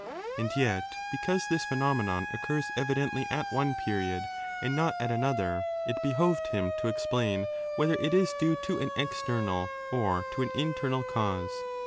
And yet, because this phenomenon occurs evidently at one period and not at another, it behoved him to explain whether it is due to an external or to an 6 internal cause.